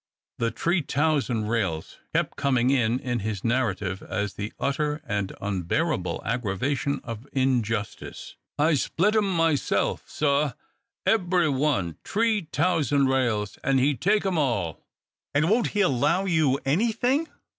The "t'ree t'ousand rails" kept coming in in his narrative as the utter and unbearable aggravation of injustice. "I split 'em myself, sah; ebry one, t'ree t'ousand rails! and he take 'em all!" "And won't he allow you any thing?"